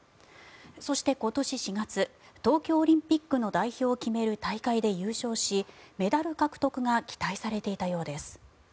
そして、今年４月東京オリンピックの代表を決める大会で優勝しメダル獲得が期待されていたようです。